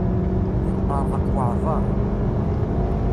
Yeṭṭerḍeq waɛbar.